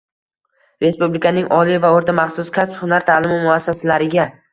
respublikaning oliy va o`rta maxsus, kasb-hunar ta’limi muassasalariga